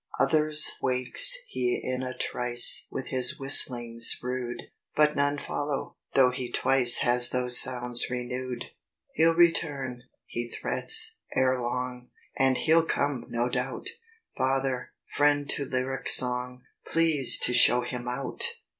"Others wakes he in a trice With his whistlings rude; But none follow, though he twice Has those sounds renewed. "He'll return, he threats, ere long, And he'll come no doubt! Father, friend to lyric song, Please to show him out!"